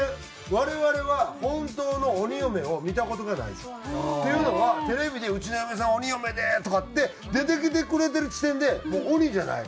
「我々は本当の鬼嫁を見た事がない」。っていうのはテレビで「うちの嫁さんは鬼嫁で」とかって出てきてくれてる時点でもう鬼じゃない。